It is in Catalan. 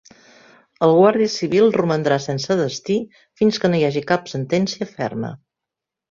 El guàrdia civil romandrà sense destí fins que no hi hagi cap sentència ferma.